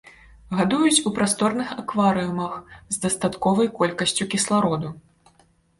Гадуюць у прасторных акварыумах з дастатковай колькасцю кіслароду.